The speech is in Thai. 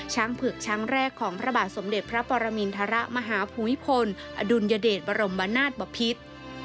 ช้างผึกช้างแรกของพระบาทสมเด็จพระปรมิณฑาระมหาภูมิพลอดุลยเดชบรมนาศปภิษฐ์